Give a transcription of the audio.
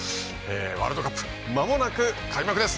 ワールドカップ間もなく開幕です。